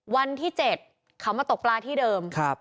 วันที่๗เขามาตกปลาที่เดิม